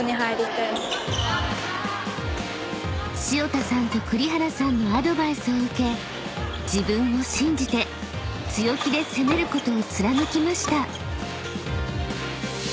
［潮田さんと栗原さんのアドバイスを受け自分を信じて強気で攻めることを貫きました］